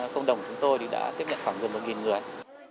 công đồng của chúng tôi đã tiếp nhận khoảng gần một người